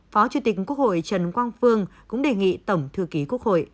phó chủ tịch quốc hội trần quang phương cũng đề nghị tổng thư ký quốc hội